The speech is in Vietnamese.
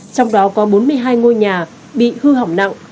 trong đó có bốn mươi hai ngôi nhà bị hư hỏng nặng